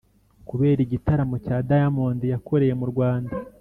kubera igitaramo cya diamond yakoreye murwanda